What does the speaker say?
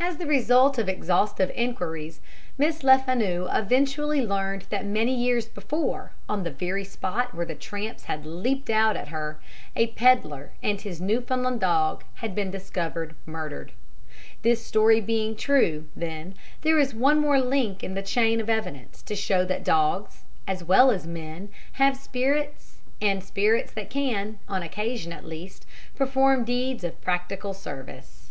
As the result of exhaustive enquiries Miss Lefanu eventually learned that many years before, on the very spot where the tramps had leaped out on her, a pedlar and his Newfoundland dog had been discovered murdered. This story being true, then, there is one more link in the chain of evidence to show that dogs, as well as men, have spirits, and spirits that can, on occasion, at least, perform deeds of practical service.